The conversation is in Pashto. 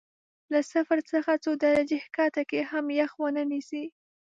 له صفر څخه څو درجې ښکته کې هم یخ ونه نیسي.